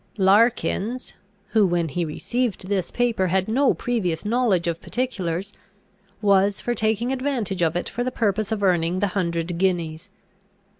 "Larkins, who when he received this paper had no previous knowledge of particulars, was for taking advantage of it for the purpose of earning the hundred guineas.